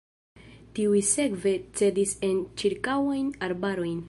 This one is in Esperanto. Tiuj sekve cedis en ĉirkaŭajn arbarojn.